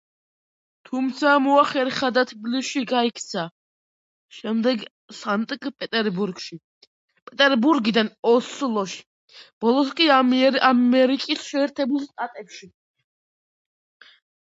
თუმცა მოახერხა და თბილისში გაიქცა, შემდეგ სანქტ-პეტერბურგში, პეტერბურგიდან ოსლოში, ბოლოს კი ამერიკის შეერთებულ შტატებში.